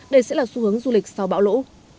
đây sẽ là xu hướng du lịch sau bão lũ